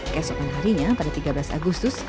keesokan harinya pada tiga belas agustus